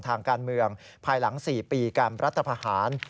ทางการเมืองภายหลัง๔ปีการประทรภาษณ์